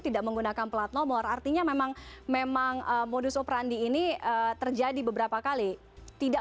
tidak menggunakan plat nomor artinya memang memang modus operandi ini terjadi beberapa kali tidak